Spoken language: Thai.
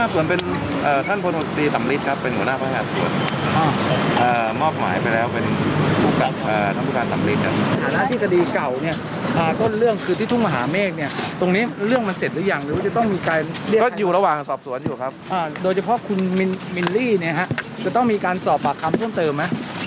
โดยเฉพาะคุณมินรี่จะต้องมีการสอบปากคำเพิ่มเติมไหม